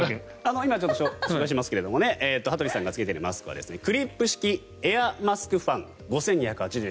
今、紹介しますが羽鳥さんが着けているマスクはクリップ式エアマスクファン５２８０円。